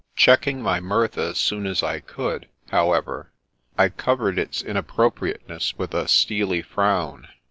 Checking my mirth as soon as I could, however, I covered its inappropriateness with a steely frown.